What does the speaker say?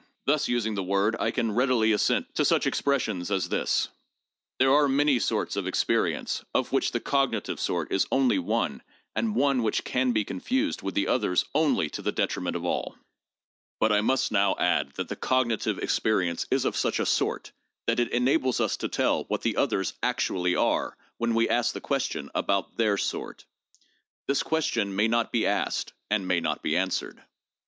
Thus using the word, I can readily assent to such expressions as this : There are many sorts of experience of which the cognitive sort is only one and one which can be confused with the others only to the detriment of all. But I must now add that the cognitive experience is of such a 'sort' that it enables us to tell what the others actually are when we ask the question about their sort. This question may not be asked and may not be answered.